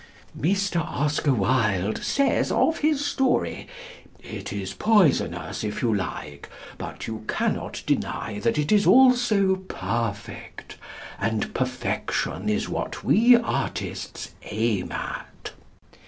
Mr. Oscar Wilde says of his story, "it is poisonous if you like, but you cannot deny that it is also perfect, and perfection is what we artists aim at."